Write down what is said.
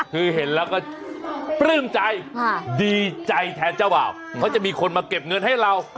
คือเห็นแล้วก็ปลื้มใจดีใจแทนเจ้าบ่าวเขาจะมีคนมาเก็บเงินให้เรา